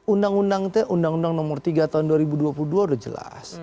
undang undang nomor tiga tahun dua ribu dua puluh dua udah jelas